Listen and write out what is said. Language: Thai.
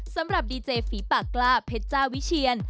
สำหรับดีเจฟีปากลาเผ็ดจ้าวิเชียร์